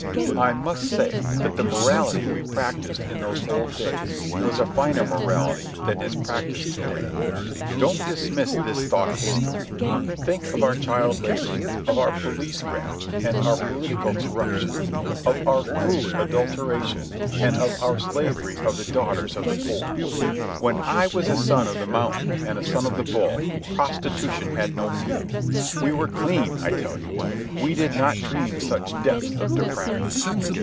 I must say that the morality we practised in those old days was a finer morality than is practised to day. Don't dismiss this thought hastily. Think of our child labour, of our police graft and our political corruption, of our food adulteration and of our slavery of the daughters of the poor. When I was a Son of the Mountain and a Son of the Bull, prostitution had no meaning. We were clean, I tell you. We did not dream such depths of depravity.